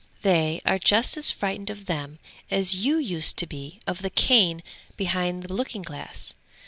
They are just as frightened of them as you used to be of the cane behind the looking glass.